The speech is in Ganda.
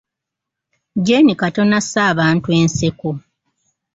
Jeeni katono asse abantu enseko.